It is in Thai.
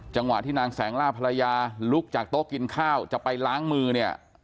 จังหวะที่นางแสงล่าภรรยาลุกจากโต๊ะกินข้าวจะไปล้างมือเนี่ย